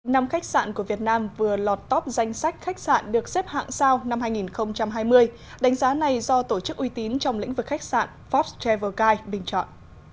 năm khách sạn của việt nam vừa lọt top danh sách khách sạn được xếp hạng sao năm hai nghìn hai mươi đánh giá này do tổ chức uy tín trong lĩnh vực khách sạn forbes travel guide bình chọn